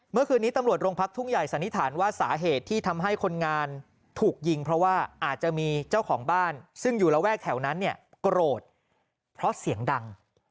เมื่อคืนนี้ตำรวจโรงพักทุ่งใหญ่สันนิษฐานว่าสาเหตุที่ทำให้คนงานถูกยิงเพราะว่าอาจจะมีเจ้าของบ้านซึ่งอยู่ระแวกแถวนั้นเนี่ยโกรธเพราะเสียงดัง